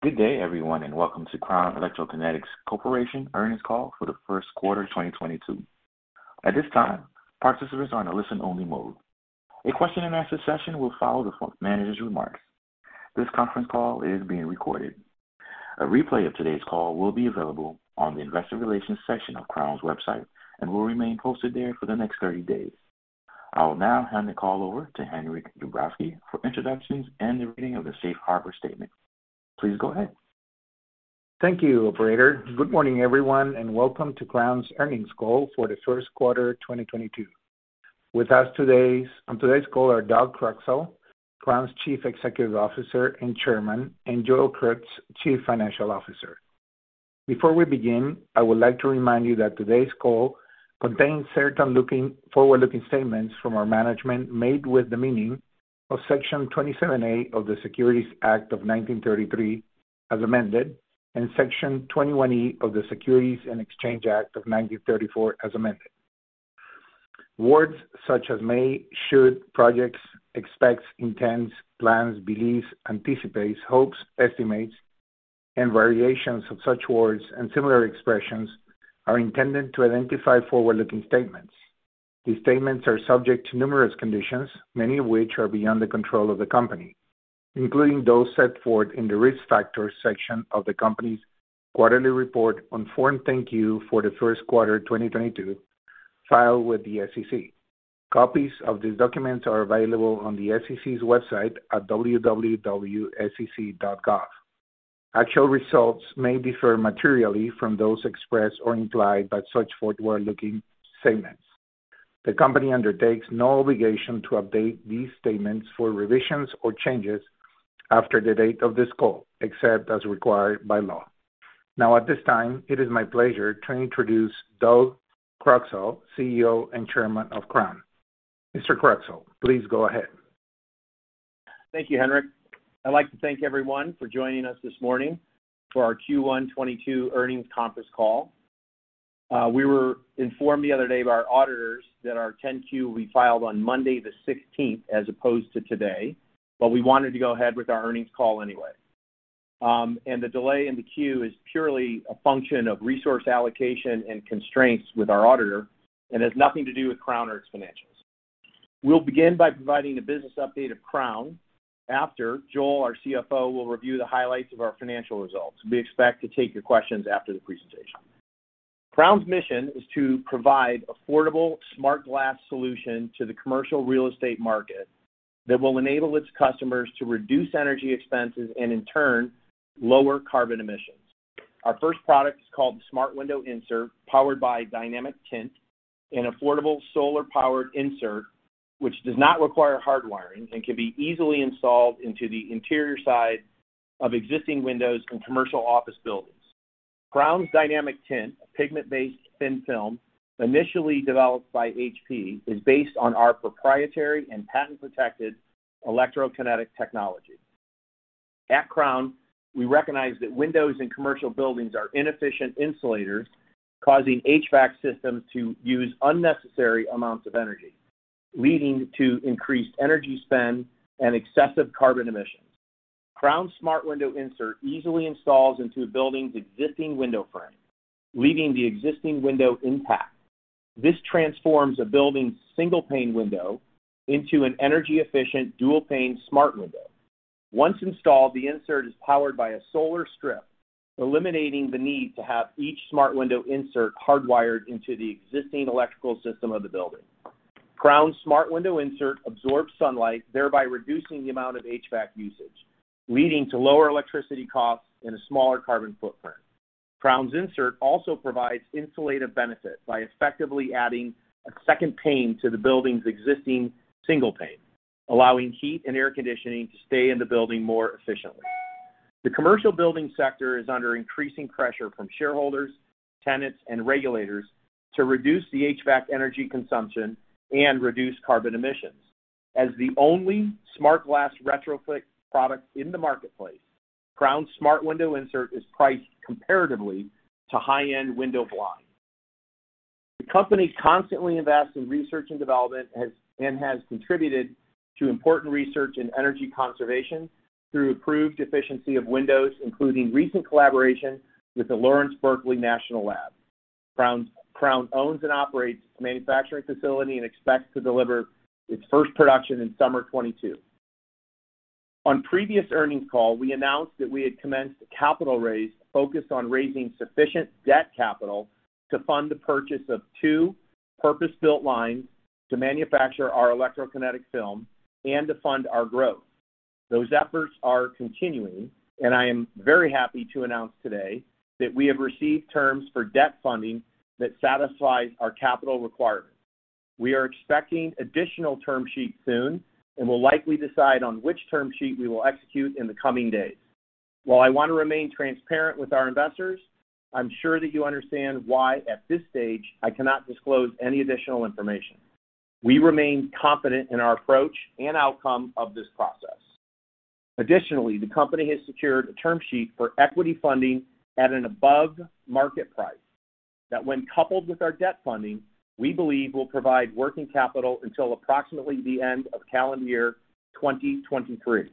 Good day everyone, and welcome to Crown Electrokinetics Corp. Earnings Call for the Q1 of 2022. At this time, participants are in a listen-only mode. A question-and-answer session will follow the company's remarks. This conference call is being recorded. A replay of today's call will be available on the investor relations section of Crown's website and will remain posted there for the next 30 days. I will now hand the call over to Henryk Dabrowski for introductions and the reading of the safe harbor statement. Please go ahead. Thank you, operator. Good morning everyone, and welcome to Crown's earnings call for the Q1 of 2022. With us today on today's call are Doug Croxall, Crown's Chief Executive Officer and Chairman, and Joel Krutz, Chief Financial Officer. Before we begin, I would like to remind you that today's call contains certain forward-looking statements from our management made with the meaning of Section 27A of the Securities Act of 1933 as amended and Section 21E of the Securities and Exchange Act of 1934 as amended. Words such as may, should, projects, expects, intends, plans, believes, anticipates, hopes, estimates, and variations of such words and similar expressions are intended to identify forward-looking statements. These statements are subject to numerous conditions, many of which are beyond the control of the company, including those set forth in the Risk Factors section of the company's quarterly report on Form 10-Q for the Q1 of 2022, filed with the SEC. Copies of these documents are available on the SEC's website at www.sec.gov. Actual results may differ materially from those expressed or implied by such forward-looking statements. The company undertakes no obligation to update these statements for revisions or changes after the date of this call, except as required by law. Now at this time, it is my pleasure to introduce Doug Croxall, CEO and Chairman of Crown. Mr. Croxall, please go ahead. Thank you, Henryk. I'd like to thank everyone for joining us this morning for our Q1 2022 earnings conference call. We were informed the other day by our auditors that our 10-Q will be filed on Monday the 16th as opposed to today, but we wanted to go ahead with our earnings call anyway. The delay in the 10-Q is purely a function of resource allocation and constraints with our auditor and has nothing to do with Crown or its financials. We'll begin by providing a business update of Crown. After, Joel, our CFO, will review the highlights of our financial results. We expect to take your questions after the presentation. Crown's mission is to provide affordable, smart glass solution to the commercial real estate market that will enable its customers to reduce energy expenses and in turn, lower carbon emissions. Our first product is called the Smart Window Insert, powered by DynamicTint, an affordable solar-powered insert which does not require hard wiring and can be easily installed into the interior side of existing windows in commercial office buildings. Crown's DynamicTint, a pigment-based thin film initially developed by HP, is based on our proprietary and patent-protected electrokinetic technology. At Crown, we recognize that windows in commercial buildings are inefficient insulators, causing HVAC systems to use unnecessary amounts of energy, leading to increased energy spend and excessive carbon emissions. Crown Smart Window Insert easily installs into a building's existing window frame, leaving the existing window intact. This transforms a building's single-pane window into an energy-efficient, dual-pane smart window. Once installed, the insert is powered by a solar strip, eliminating the need to have each Smart Window Insert hardwired into the existing electrical system of the building. Crown Smart Window Insert absorbs sunlight, thereby reducing the amount of HVAC usage, leading to lower electricity costs and a smaller carbon footprint. Crown's insert also provides insulative benefits by effectively adding a second pane to the building's existing single pane, allowing heat and air conditioning to stay in the building more efficiently. The commercial building sector is under increasing pressure from shareholders, tenants, and regulators to reduce the HVAC energy consumption and reduce carbon emissions. As the only smart glass retrofit product in the marketplace, Crown's Smart Window Insert is priced comparatively to high-end window blinds. The company constantly invests in research and development and has contributed to important research in energy conservation through improved efficiency of windows, including recent collaboration with the Lawrence Berkeley National Laboratory. Crown owns and operates a manufacturing facility and expects to deliver its first production in summer 2022. In the previous earnings call, we announced that we had commenced a capital raise focused on raising sufficient debt capital to fund the purchase of two purpose-built lines to manufacture our electrokinetic film and to fund our growth. Those efforts are continuing, and I am very happy to announce today that we have received terms for debt funding that satisfies our capital requirement. We are expecting additional term sheets soon and will likely decide on which term sheet we will execute in the coming days. While I want to remain transparent with our investors, I'm sure that you understand why, at this stage, I cannot disclose any additional information. We remain confident in our approach and outcome of this process. Additionally, the company has secured a term sheet for equity funding at an above-market price. That when coupled with our debt funding, we believe will provide working capital until approximately the end of calendar year 2023.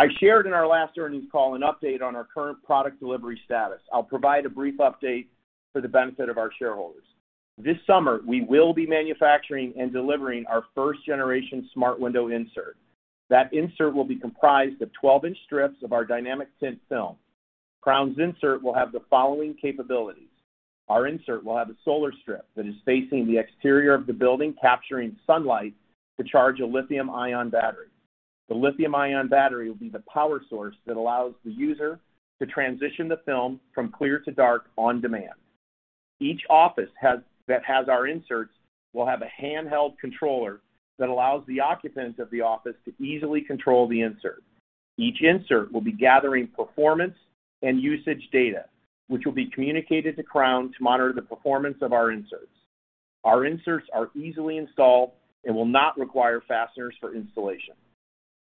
I shared in our last earnings call an update on our current product delivery status. I'll provide a brief update for the benefit of our shareholders. This summer, we will be manufacturing and delivering our first generation Smart Window Insert. That insert will be comprised of 12-inch strips of our DynamicTint film. Crown's insert will have the following capabilities. Our insert will have a solar strip that is facing the exterior of the building, capturing sunlight to charge a lithium-ion battery. The lithium-ion battery will be the power source that allows the user to transition the film from clear to dark on demand. Each office that has our inserts will have a handheld controller that allows the occupants of the office to easily control the insert. Each insert will be gathering performance and usage data, which will be communicated to Crown to monitor the performance of our inserts. Our inserts are easily installed and will not require fasteners for installation.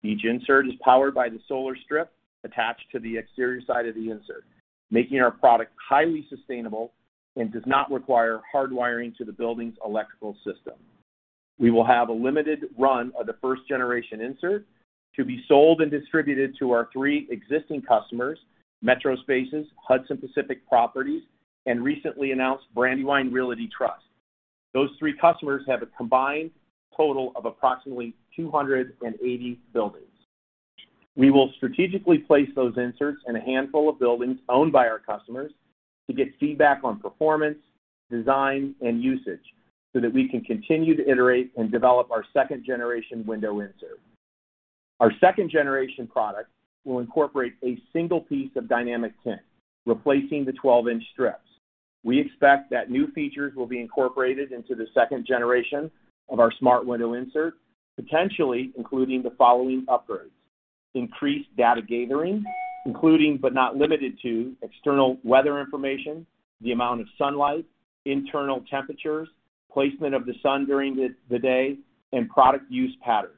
Each insert is powered by the solar strip attached to the exterior side of the insert, making our product highly sustainable and does not require hard wiring to the building's electrical system. We will have a limited run of the first generation insert to be sold and distributed to our three existing customers, MetroSpaces, Hudson Pacific Properties, and recently announced Brandywine Realty Trust. Those three customers have a combined total of approximately 280 buildings. We will strategically place those inserts in a handful of buildings owned by our customers to get feedback on performance, design, and usage so that we can continue to iterate and develop our second generation Smart Window Insert. Our second generation product will incorporate a single piece of DynamicTint, replacing the 12-inch strips. We expect that new features will be incorporated into the second generation of our Smart Window Insert, potentially including the following upgrades, increased data gathering, including, but not limited to, external weather information, the amount of sunlight, internal temperatures, placement of the sun during the day, and product use patterns.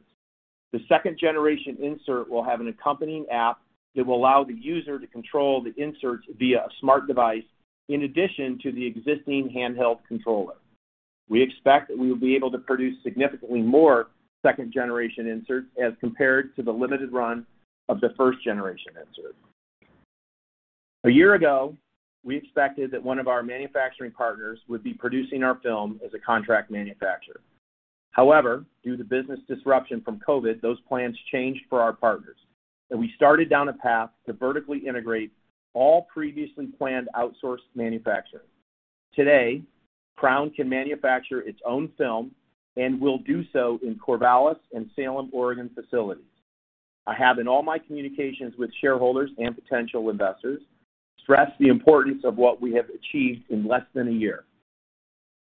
The second generation insert will have an accompanying app that will allow the user to control the inserts via a smart device in addition to the existing handheld controller. We expect that we will be able to produce significantly more second generation inserts as compared to the limited run of the first generation inserts. A year ago, we expected that one of our manufacturing partners would be producing our film as a contract manufacturer. However, due to business disruption from COVID, those plans changed for our partners, and we started down a path to vertically integrate all previously planned outsourced manufacturing. Today, Crown can manufacture its own film and will do so in Corvallis and Salem, Oregon facilities. I have in all my communications with shareholders and potential investors stressed the importance of what we have achieved in less than a year.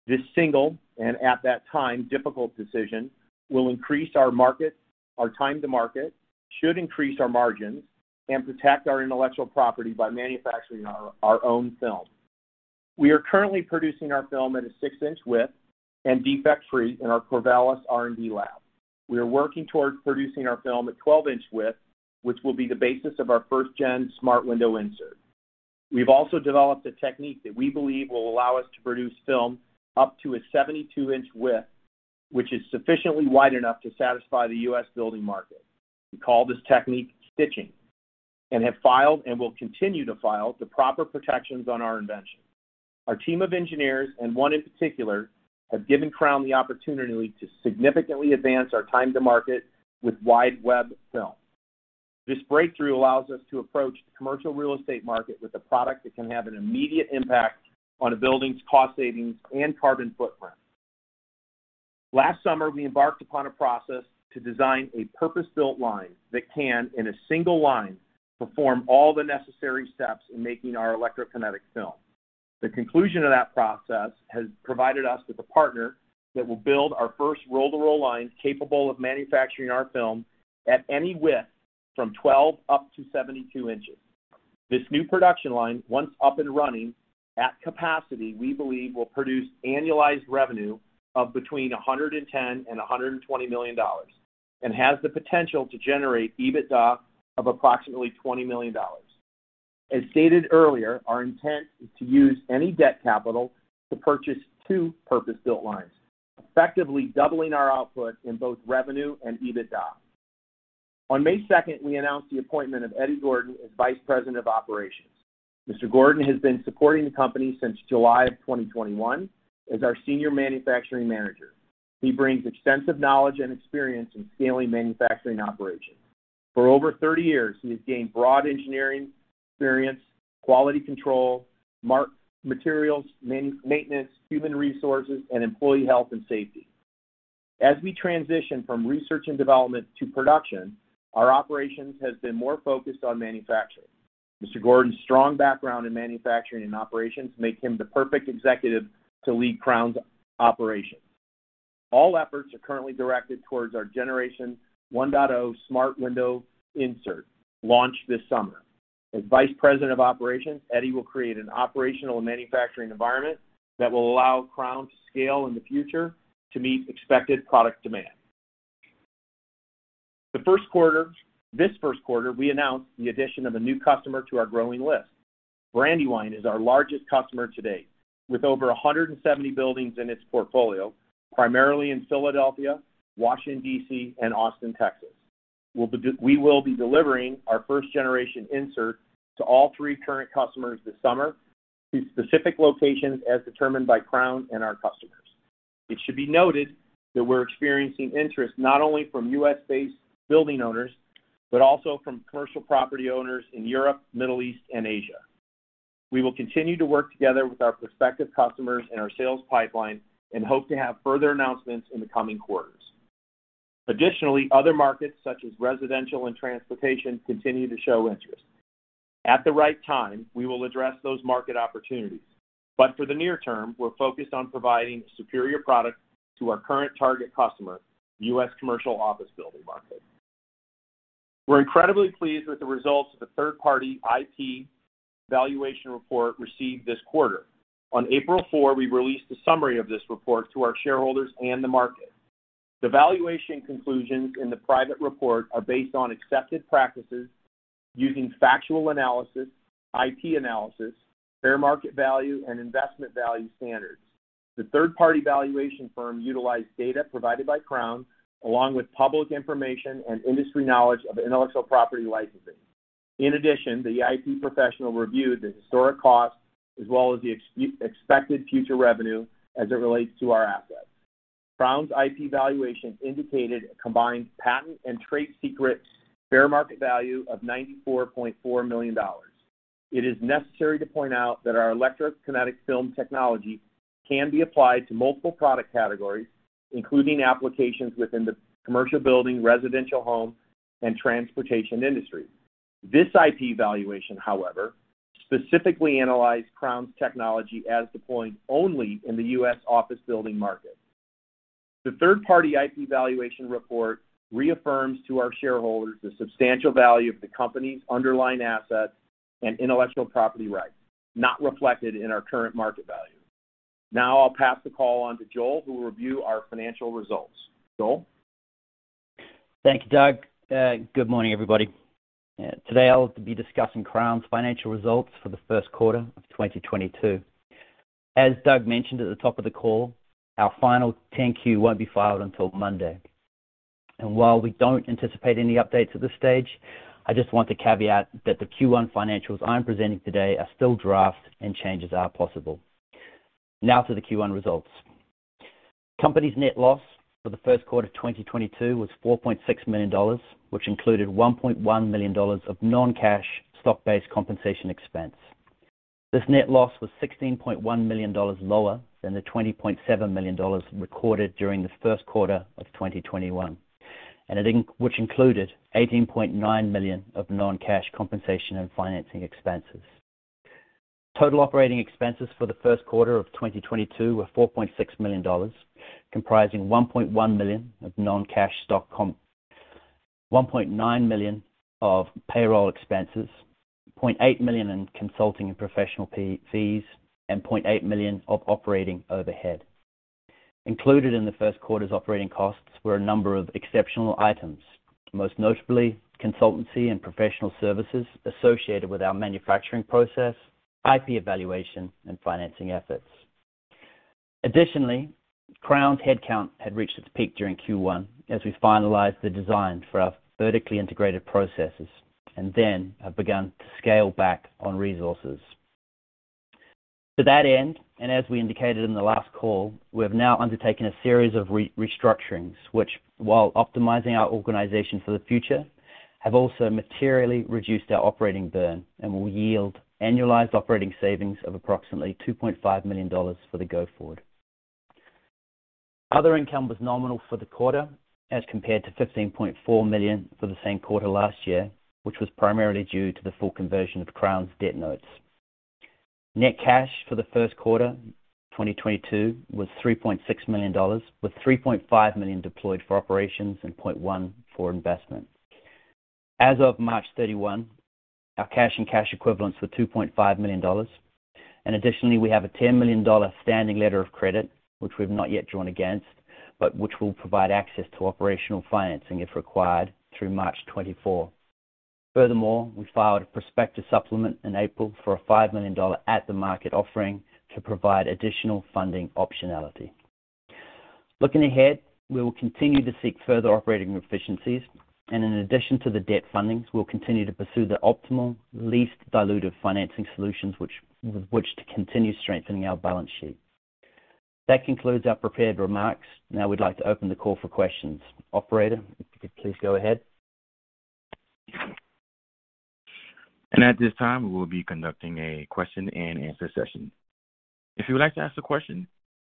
This single, and at that time, difficult decision, will increase our market, our time to market, should increase our margins, and protect our intellectual property by manufacturing our own film. We are currently producing our film at a six-inch width and defect-free in our Corvallis R&D lab. We are working towards producing our film at 12-inch width, which will be the basis of our first gen Smart Window Insert. We've also developed a technique that we believe will allow us to produce film up to a 72-inch width, which is sufficiently wide enough to satisfy the U.S. building market. We call this technique stitching and have filed and will continue to file the proper protections on our invention. Our team of engineers, and one in particular, have given Crown the opportunity to significantly advance our time to market with wide web film. This breakthrough allows us to approach the commercial real estate market with a product that can have an immediate impact on a building's cost savings and carbon footprint. Last summer, we embarked upon a process to design a purpose-built line that can, in a single line, perform all the necessary steps in making our electrokinetic film. The conclusion of that process has provided us with a partner that will build our first roll-to-roll line capable of manufacturing our film at any width from 12 up to 72 inches. This new production line, once up and running at capacity, we believe will produce annualized revenue of between $110 million and $120 million, and has the potential to generate EBITDA of approximately $20 million. As stated earlier, our intent is to use any debt capital to purchase 2 purpose-built lines, effectively doubling our output in both revenue and EBITDA. On 2 May, we announced the appointment of Eddie Gordon as Vice President of Operations. Mr. Gordon has been supporting the company since July of 2021 as our Senior Manufacturing Manager. He brings extensive knowledge and experience in scaling manufacturing operations. For over 30 years, he has gained broad engineering experience, quality control, materials, maintenance, human resources, and employee health and safety. As we transition from research and development to production, our operations has been more focused on manufacturing. Mr. Gordon's strong background in manufacturing and operations make him the perfect executive to lead Crown's operations. All efforts are currently directed towards our Generation 1.0 Smart Window Insert launch this summer. As Vice President of Operations, Eddie will create an operational and manufacturing environment that will allow Crown to scale in the future to meet expected product demand. This Q1, we announced the addition of a new customer to our growing list. Brandywine is our largest customer to date, with over 170 buildings in its portfolio, primarily in Philadelphia, Washington, D.C., and Austin, Texas. We will be delivering our first generation insert to all three current customers this summer to specific locations as determined by Crown and our customers. It should be noted that we're experiencing interest not only from U.S.-based building owners, but also from commercial property owners in Europe, Middle East, and Asia. We will continue to work together with our prospective customers and our sales pipeline and hope to have further announcements in the coming quarters. Additionally, other markets such as residential and transportation continue to show interest. At the right time, we will address those market opportunities. For the near term, we're focused on providing a superior product to our current target customer, U.S. commercial office building market. We're incredibly pleased with the results of the third-party IP valuation report received this quarter. On 4 April, we released a summary of this report to our shareholders and the market. The valuation conclusions in the private report are based on accepted practices using factual analysis, IP analysis, fair market value, and investment value standards. The third party valuation firm utilized data provided by Crown along with public information and industry knowledge of intellectual property licensing. In addition, the IP professional reviewed the historic cost as well as the expected future revenue as it relates to our assets. Crown's IP valuation indicated a combined patent and trade secrets fair market value of $94.4 million. It is necessary to point out that our electrokinetic film technology can be applied to multiple product categories, including applications within the commercial building, residential home, and transportation industry. This IP valuation, however, specifically analyzed Crown's technology as deployed only in the U.S. office building market. The third party IP valuation report reaffirms to our shareholders the substantial value of the company's underlying assets and intellectual property rights not reflected in our current market value. Now I'll pass the call on to Joel, who will review our financial results. Joel? Thank you, Doug. Good morning, everybody. Today, I'll be discussing Crown's financial results for the Q1 of 2022. As Doug mentioned at the top of the call, our final 10-Q won't be filed until Monday. While we don't anticipate any updates at this stage, I just want to caveat that the Q1 financials I'm presenting today are still drafts and changes are possible. Now to the Q1 results. The company's net loss for the Q1 of 2022 was $4.6 million, which included $1.1 million of non-cash stock-based compensation expense. This net loss was $16.1 million lower than the $20.7 million recorded during the Q1 of 2021, and it, which included $18.9 million of non-cash compensation and financing expenses. Total operating expenses for the Q1 of 2022 were $4.6 million, comprising $1.1 million of non-cash stock comp, $1.9 million of payroll expenses, $0.8 million in consulting and professional fees, and $0.8 million of operating overhead. Included in the Q1's operating costs were a number of exceptional items, most notably consultancy and professional services associated with our manufacturing process, IP evaluation, and financing efforts. Additionally, Crown's headcount had reached its peak during Q1 as we finalized the design for our vertically integrated processes and then have begun to scale back on resources. To that end, as we indicated in the last call, we have now undertaken a series of restructurings, which while optimizing our organization for the future, have also materially reduced our operating burn and will yield annualized operating savings of approximately $2.5 million for the going forward. Other income was nominal for the quarter as compared to $15.4 million for the same quarter last year, which was primarily due to the full conversion of Crown's debt notes. Net cash for the Q1 2022 was $3.6 million, with $3.5 million deployed for operations and $0.1 million for investment. As of 31 March, our cash and cash equivalents were $2.5 million. Additionally, we have a $10 million standing letter of credit, which we've not yet drawn against, but which will provide access to operational financing if required through March 2024. Furthermore, we filed a prospectus supplement in April for a $5 million at-the-market offering to provide additional funding optionality. Looking ahead, we will continue to seek further operating efficiencies, and in addition to the debt fundings, we'll continue to pursue the optimal, least dilutive financing solutions with which to continue strengthening our balance sheet. That concludes our prepared remarks. Now we'd like to open the call for questions. Operator, if you could please go ahead. At this time, we will be conducting a question and answer session. If you would like to ask a question,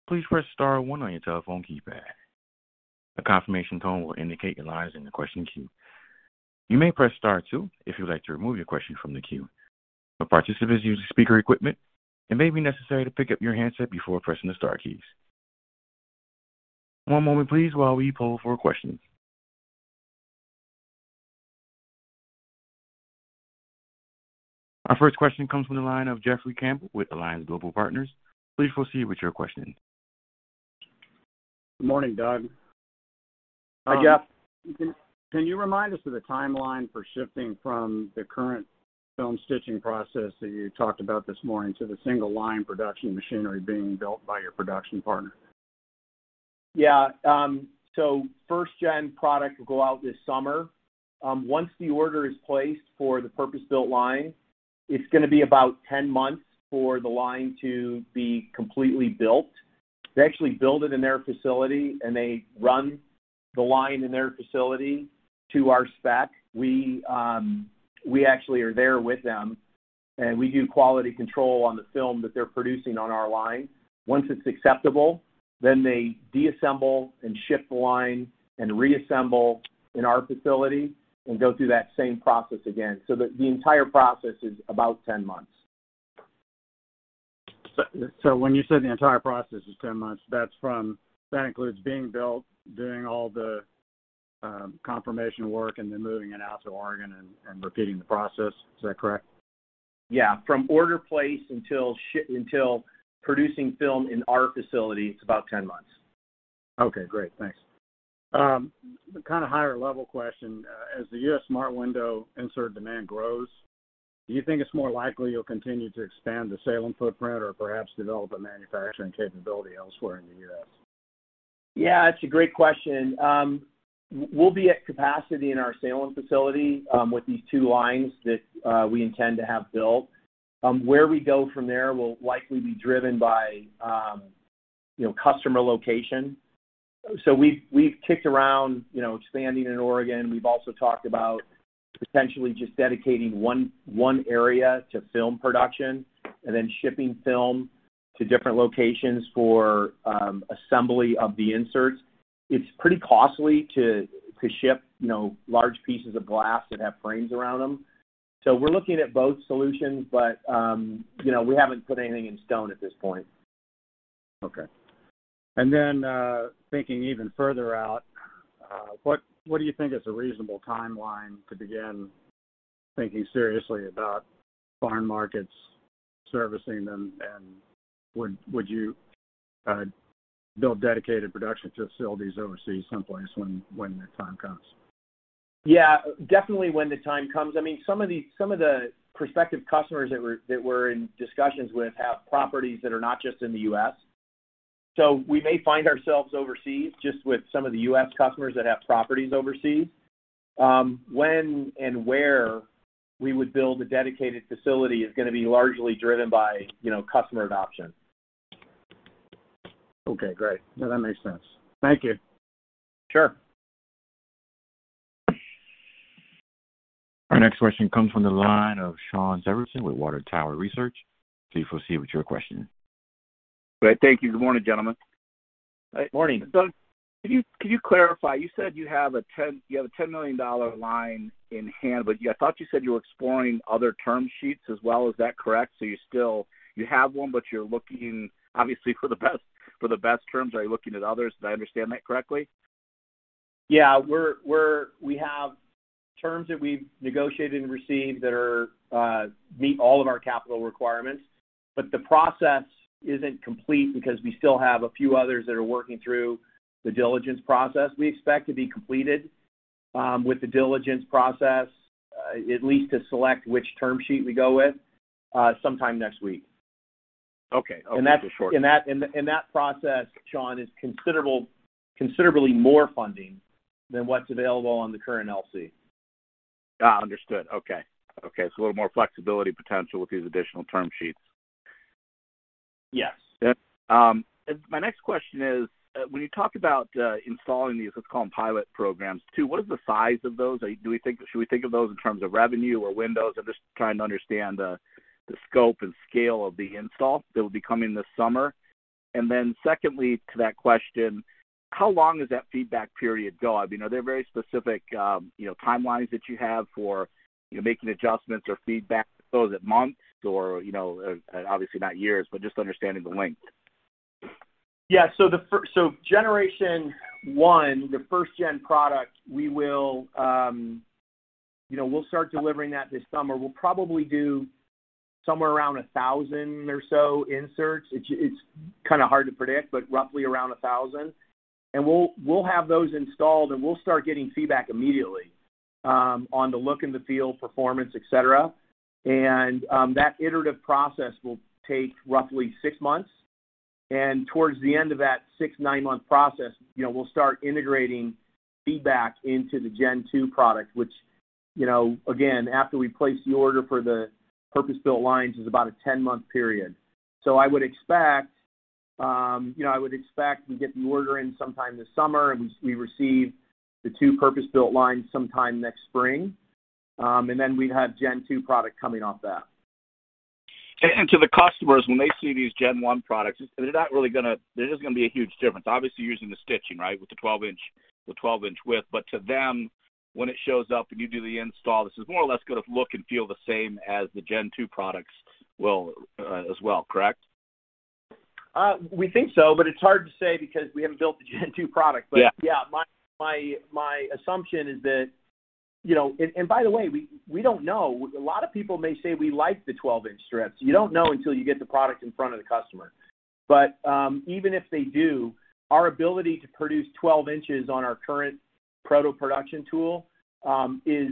please press star one on your telephone keypad. A confirmation tone will indicate your line is in the question queue. You may press star two if you would like to remove your question from the queue. For participants using speaker equipment, it may be necessary to pick up your handset before pressing the star keys. One moment please while we poll for questions. Our first question comes from the line of Jeffrey Campbell with Alliance Global Partners. Please proceed with your question. Good morning, Doug. Hi, Jeff. Can you remind us of the timeline for shifting from the current film stitching process that you talked about this morning to the single line production machinery being built by your production partner? Yeah. First-gen product will go out this summer. Once the order is placed for the purpose-built line, it's gonna be about 10 months for the line to be completely built. They actually build it in their facility, and they run the line in their facility to our spec. We actually are there with them, and we do quality control on the film that they're producing on our line. Once it's acceptable, then they disassemble and ship the line and reassemble in our facility and go through that same process again. The entire process is about 10 months. When you say the entire process is 10 months, that includes being built, doing all the confirmation work, and then moving it out to Oregon and repeating the process. Is that correct? Yeah. From order placed until producing film in our facility, it's about 10 months. Okay, great. Thanks. Kind of higher level question. As the U.S. Smart Window Insert demand grows, do you think it's more likely you'll continue to expand the Salem footprint or perhaps develop a manufacturing capability elsewhere in the U.S.? Yeah, it's a great question. We'll be at capacity in our Salem facility with these two lines that we intend to have built. Where we go from there will likely be driven by you know, customer location. We've kicked around you know, expanding in Oregon. We've also talked about potentially just dedicating one area to film production and then shipping film to different locations for assembly of the inserts. It's pretty costly to ship you know, large pieces of glass that have frames around them. We're looking at both solutions, but you know, we haven't put anything in stone at this point. Okay. Thinking even further out, what do you think is a reasonable timeline to begin thinking seriously about foreign markets, servicing them, and would you build dedicated production facilities overseas someplace when the time comes? Yeah. Definitely when the time comes. I mean, some of the prospective customers that we're in discussions with have properties that are not just in the U.S. We may find ourselves overseas just with some of the U.S. customers that have properties overseas. When and where we would build a dedicated facility is gonna be largely driven by, you know, customer adoption. Okay, great. No, that makes sense. Thank you. Sure. Our next question comes from the line of Shawn Severson with Water Tower Research. Please proceed with your question. Great. Thank you. Good morning, gentlemen. Morning. Doug, can you clarify? You said you have a $10 million line in hand, but I thought you said you were exploring other term sheets as well. Is that correct? You still have one, but you're looking for the best terms. Are you looking at others? Did I understand that correctly? Yeah. We have terms that we've negotiated and received that meet all of our capital requirements. The process isn't complete because we still have a few others that are working through the diligence process. We expect to be completed with the diligence process at least to select which term sheet we go with sometime next week. Okay. Okay. And that's- That's short. That process, Shawn, is considerably more funding than what's available on the current LC. Understood. Okay. A little more flexibility potential with these additional term sheets. Yes. Yeah. My next question is, when you talk about installing these, let's call them pilot programs, too, what is the size of those? Should we think of those in terms of revenue or windows? I'm just trying to understand the scope and scale of the install that will be coming this summer. Secondly to that question, how long does that feedback period go? I mean, are there very specific, you know, timelines that you have for, you know, making adjustments or feedback? Is it months or, you know, obviously not years, but just understanding the length. Generation one, the first gen product, we will, you know, we'll start delivering that this summer. We'll probably do somewhere around 1,000 or so inserts. It's kinda hard to predict, but roughly around 1,000. We'll have those installed, and we'll start getting feedback immediately on the look and the feel, performance, et cetera. That iterative process will take roughly six months. Towards the end of that six, nine-month process, you know, we'll start integrating feedback into the gen two product, which, you know, again, after we place the order for the purpose-built lines is about a 10-month period. I would expect we get the order in sometime this summer and we receive the two purpose-built lines sometime next spring. We'd have Gen 2 product coming off that. To the customers, when they see these Gen 1 products, there isn't gonna be a huge difference, obviously using the stitching, right, with the 12-inch width. To them, when it shows up and you do the install, this is more or less gonna look and feel the same as the Gen 2 products will, as well. Correct? We think so, but it's hard to say because we haven't built the gen two product. Yeah. My assumption is that we don't know. A lot of people may say we like the 12-inch strips. You don't know until you get the product in front of the customer. Even if they do, our ability to produce 12 inches on our current proto-production tool is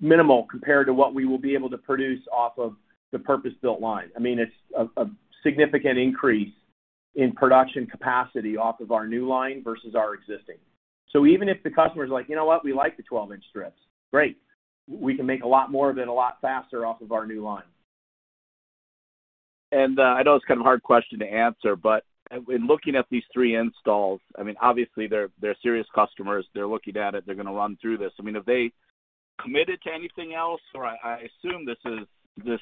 minimal compared to what we will be able to produce off of the purpose-built line. I mean, it's a significant increase in production capacity off of our new line versus our existing. Even if the customer is like, "You know what? We like the 12-inch strips," great. We can make a lot more of it a lot faster off of our new line. I know it's kind of a hard question to answer, but in looking at these three installs, I mean, obviously they're serious customers. They're looking at it, they're gonna run through this. I mean, have they committed to anything else, or I assume this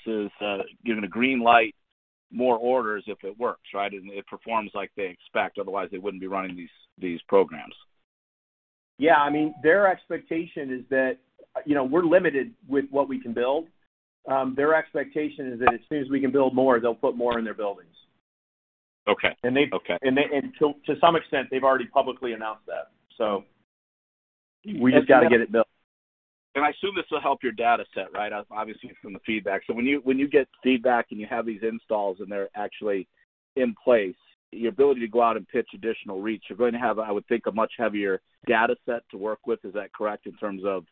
is giving a green light, more orders if it works, right? It performs like they expect, otherwise they wouldn't be running these programs. Yeah. I mean, their expectation is that, you know, we're limited with what we can build. Their expectation is that as soon as we can build more, they'll put more in their buildings. Okay. Okay. To some extent, they've already publicly announced that. We just got to get it built. I assume this will help your data set, right? Obviously, from the feedback. When you get feedback and you have these installs and they're actually in place, your ability to go out and pitch additional reach, you're going to have, I would think, a much heavier data set to work with. Is that correct in terms of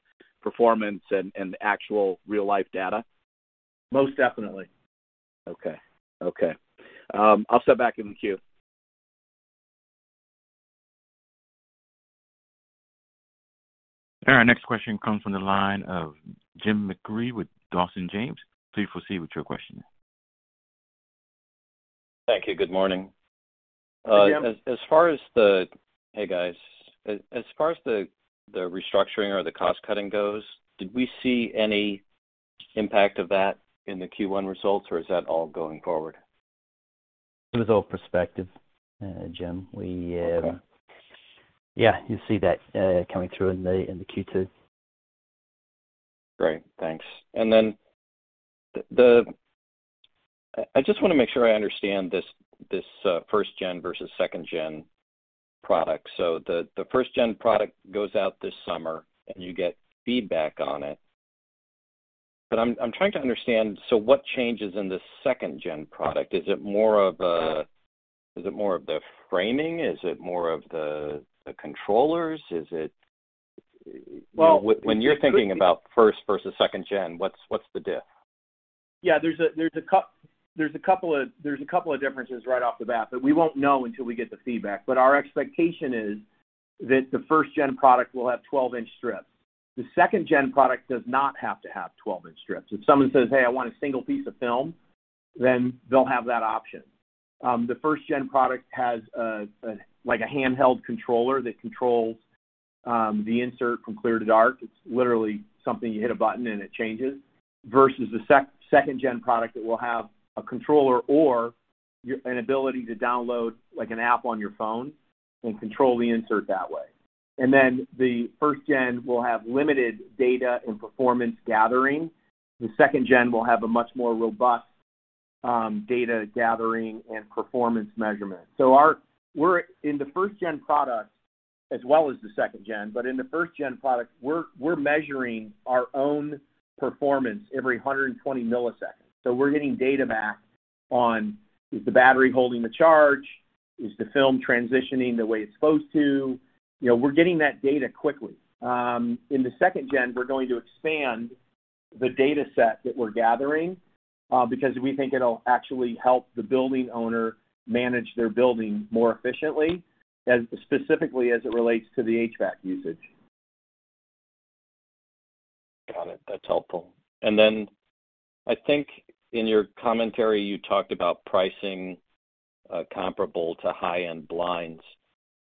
performance and actual real-life data? Most definitely. Okay. I'll step back in the queue. Our next question comes from the line of Jim McIlree with Dawson James. Please proceed with your question. Thank you. Good morning. Hey, Jim. Hey, guys. As far as the restructuring or the cost-cutting goes, did we see any impact of that in the Q1 results, or is that all going forward? It was all perspective, Jim. Okay. Yeah, you see that coming through in the Q2. Great. Thanks. I just wanna make sure I understand this first gen versus second gen product. The first gen product goes out this summer, and you get feedback on it. I'm trying to understand, so what changes in the second gen product? Is it more of the framing? Is it more of the controllers? Well- When you're thinking about first versus second gen, what's the diff? Yeah. There's a couple of differences right off the bat, but we won't know until we get the feedback. Our expectation is that the first gen product will have 12-inch strips. The second gen product does not have to have 12-inch strips. If someone says, "Hey, I want a single piece of film," then they'll have that option. The first gen product has like a handheld controller that controls the insert from clear to dark. It's literally something you hit a button and it changes. Versus the second gen product that will have a controller or an ability to download like an app on your phone and control the insert that way. Then the first gen will have limited data and performance gathering. The second gen will have a much more robust data gathering and performance measurement. In the first gen product as well as the second gen, but in the first gen product, we're measuring our own performance every 120 milliseconds. We're getting data back on, is the battery holding the charge? Is the film transitioning the way it's supposed to? You know, we're getting that data quickly. In the second gen, we're going to expand the data set that we're gathering, because we think it'll actually help the building owner manage their building more efficiently, especially as it relates to the HVAC usage. Got it. That's helpful. I think in your commentary you talked about pricing, comparable to high-end blinds.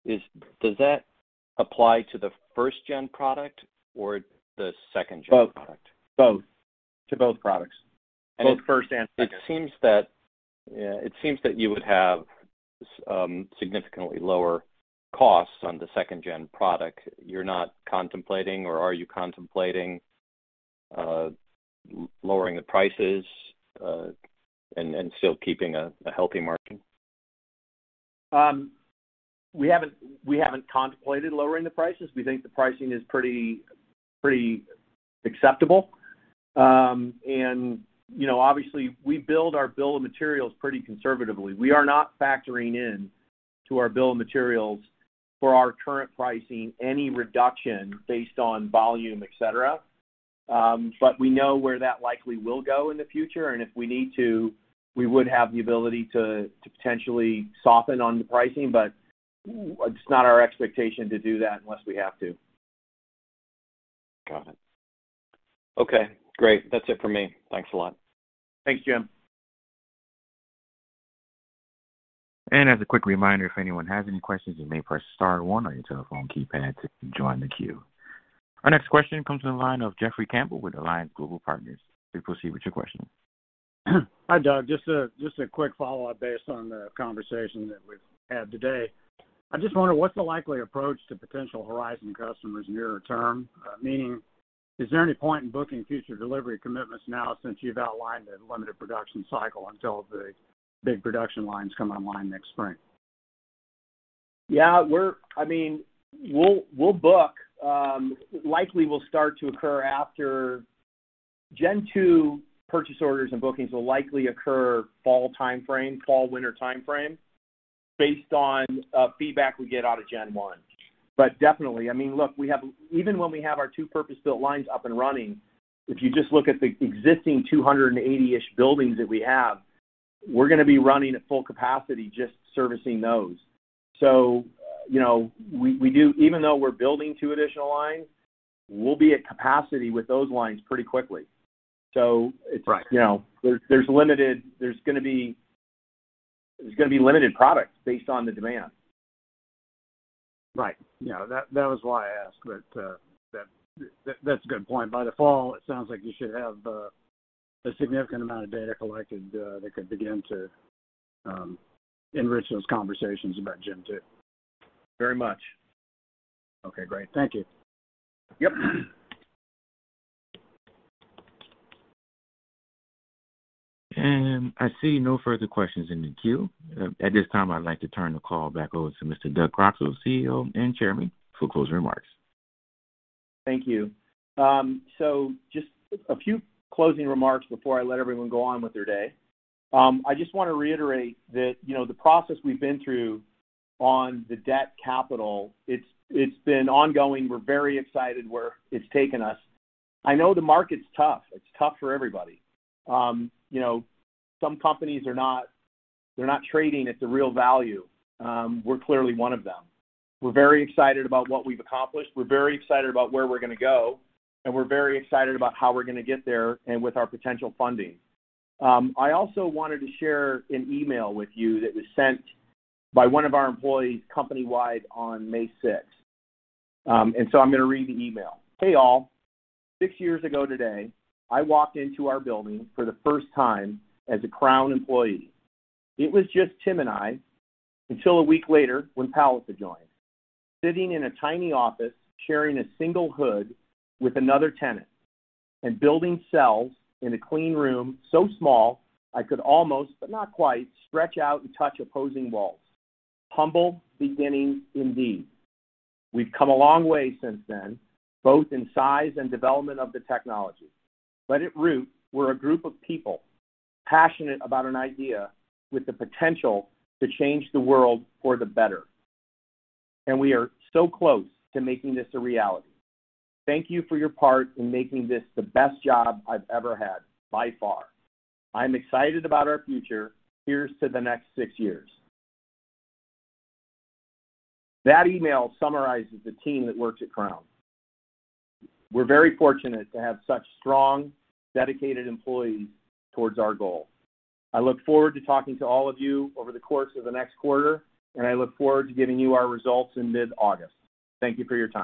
Does that apply to the first-gen product or the second-gen product? Both. To both products. Both first and second. It seems that you would have significantly lower costs on the second-gen product. You're not contemplating or are you contemplating lowering the prices and still keeping a healthy margin? We haven't contemplated lowering the prices. We think the pricing is pretty acceptable. You know, obviously, we build our bill of materials pretty conservatively. We are not factoring into our bill of materials for our current pricing any reduction based on volume, etc. We know where that likely will go in the future, and if we need to, we would have the ability to potentially soften on the pricing, but it's not our expectation to do that unless we have to. Got it. Okay, great. That's it for me. Thanks a lot. Thanks, Jim. As a quick reminder, if anyone has any questions, you may press star one on your telephone keypad to join the queue. Our next question comes from the line of Jeffrey Campbell with Alliance Global Partners. Please proceed with your question. Hi, Doug. Just a quick follow-up based on the conversation that we've had today. I just wonder what's the likely approach to potential horizon customers near term? Meaning is there any point in booking future delivery commitments now since you've outlined a limited production cycle until the big production lines come online next spring? Yeah, I mean, we'll book. Gen 2 purchase orders and bookings will likely occur fall timeframe, fall-winter timeframe based on feedback we get out of Gen 1. Definitely. I mean, look, even when we have our two purpose-built lines up and running, if you just look at the existing 280-ish buildings that we have, we're gonna be running at full capacity just servicing those. You know, even though we're building two additional lines, we'll be at capacity with those lines pretty quickly. Right. You know, there's gonna be limited products based on the demand. Right. Yeah. That was why I asked, but that's a good point. By the fall, it sounds like you should have a significant amount of data collected that could begin to enrich those conversations about gen two. Very much. Okay, great. Thank you. Yep. I see no further questions in the queue. At this time, I'd like to turn the call back over to Mr. Doug Croxall, CEO and chairman, for closing remarks. Thank you. So just a few closing remarks before I let everyone go on with their day. I just wanna reiterate that, you know, the process we've been through on the debt capital, it's been ongoing. We're very excited where it's taken us. I know the market's tough. It's tough for everybody. You know, some companies are not trading at the real value. We're clearly one of them. We're very excited about what we've accomplished. We're very excited about where we're gonna go, and we're very excited about how we're gonna get there and with our potential funding. I also wanted to share an email with you that was sent by one of our employees company-wide on 6 May. I'm gonna read the email. "Hey, all. Six years ago today, I walked into our building for the first time as a Crown employee. It was just Tim and I until a week later when Palace had joined. Sitting in a tiny office, sharing a single hood with another tenant and building cells in a clean room so small I could almost, but not quite, stretch out and touch opposing walls. Humble beginnings indeed. We've come a long way since then, both in size and development of the technology. At root, we're a group of people passionate about an idea with the potential to change the world for the better. We are so close to making this a reality. Thank you for your part in making this the best job I've ever had by far. I'm excited about our future. Here's to the next six years. That email summarizes the team that works at Crown. We're very fortunate to have such strong, dedicated employees toward our goal. I look forward to talking to all of you over the course of the next quarter, and I look forward to giving you our results in mid-August. Thank you for your time.